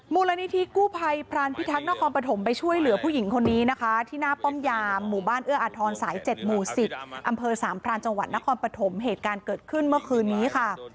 มูลนิธิกู้ภัยพรานพิทักษ์นครปฐมไปช่วยเหลือผู้หญิงคนนี้นะคะที่หน้าป้อมยามหมู่บ้านเอื้ออาทรสาย๗หมู่๑๐อำเภอสามพรานจังหวัดนครปฐมเหตุการณ์เกิดขึ้นเมื่อคืนนี้ค่ะ